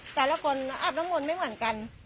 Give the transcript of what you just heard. แต่ละคนอาบน้ำมนต์ไม่เหมือนกัน